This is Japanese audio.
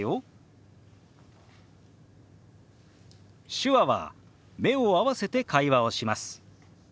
手話は目を合わせて会話をします。